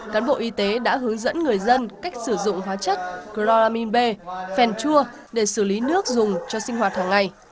cán bộ y tế đã hướng dẫn người dân cách sử dụng hóa chất chloramin b phèn chua để xử lý nước dùng cho sinh hoạt hàng ngày